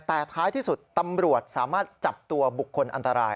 แต่ท้ายที่สุดตำรวจสามารถจับตัวบุคคลอันตราย